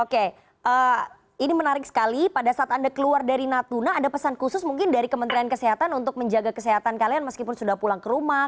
oke ini menarik sekali pada saat anda keluar dari natuna ada pesan khusus mungkin dari kementerian kesehatan untuk menjaga kesehatan kalian meskipun sudah pulang ke rumah